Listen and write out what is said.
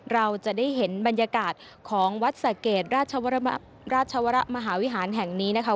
เราจะได้เห็นบรรยากาศของวัดสะเกดราชวรมหาวิหารแห่งนี้นะคะ